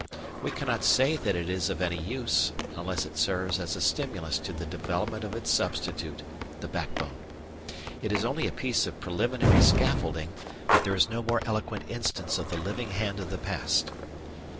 We cannot say that it is of any use, unless it serves as a stimulus to the development of its substitute, the backbone. It is only a piece of preliminary scaffolding, but there is no more eloquent instance of the living hand of the past.